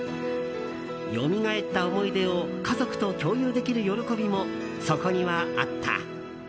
よみがえった思い出を家族と共有できる喜びもそこにはあった。